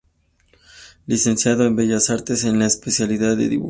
Licenciado en Bellas Artes en la especialidad de dibujo.